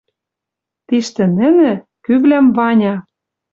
Тиштӹ нӹнӹ, кӱвлӓм Ваня